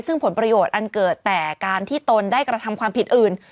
ซึ่งผลประโยชน์อันเกิดแต่การที่ตนได้กระทำความผิดอื่น